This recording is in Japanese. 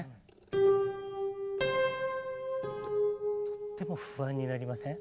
とっても不安になりません？